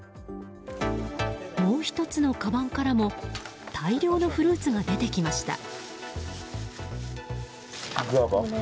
もう１つのかばんからも大量のフルーツが出てきました。